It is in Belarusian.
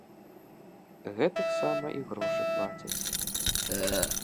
Гэтаксама і грошы плацяць.